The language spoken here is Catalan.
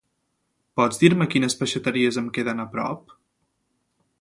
Pots dir-me quines peixateries em queden a prop?